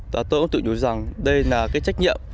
và tôi cũng tự nhủ rằng đây là cái trách nhiệm